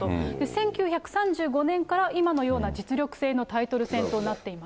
１９３５年から今のような実力制のタイトル戦となっています。